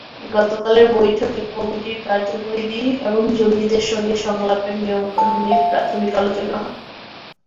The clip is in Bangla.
গতকালের বৈঠকে কমিটির কার্যপরিধি এবং জঙ্গিদের সঙ্গে সংলাপের নিয়মকানুন নিয়ে প্রাথমিক আলোচনা হয়।